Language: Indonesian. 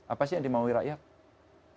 apa sih yang dimaui rakyat